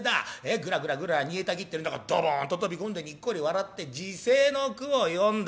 グラグラグラグラ煮えたぎってる中ドボンと飛び込んでにっこり笑って辞世の句を詠んだ。